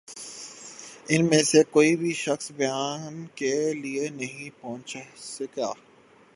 ان میں سے کوئی بھِی شخص بیان کے لیے نہیں پہنچ سکا